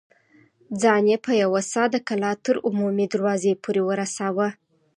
ځان يې په يوه سا د کلا تر عمومي دروازې پورې ورساوه.